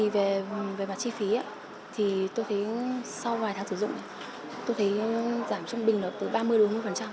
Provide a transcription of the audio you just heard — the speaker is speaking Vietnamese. về bản chi phí tôi thấy sau vài tháng sử dụng tôi thấy giảm trung bình từ ba mươi bốn mươi